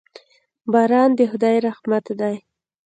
باران د خداي رحمت دي.